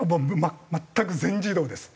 全く全自動です。